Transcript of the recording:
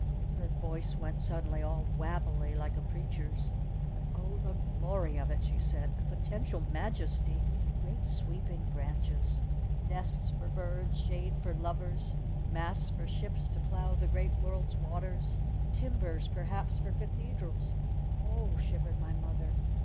Her voice went suddenly all wabbly like a preacher's. "But, oh, the glory of it!" she said. "The potential majesty! Great sweeping branches ! Nests for birds, shade for lovers, masts for ships to plow the great world's waters timbers perhaps for cathedrals! O h," shivered my mother.